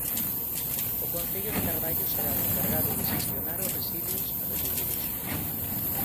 O Concello de Carballo será o encargado de xestionar os residuos recollidos.